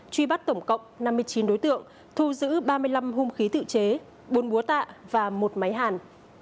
truy bắt tổng cộng năm mươi chín đối tượng thu giữ ba mươi năm hung khí tự chế bốn búa tạ và một máy hàn